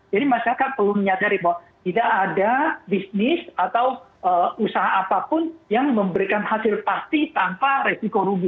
jadi masyarakat perlu menyadari bahwa tidak ada bisnis atau usaha apapun yang memberikan hasil pasti tanpa resiko rugi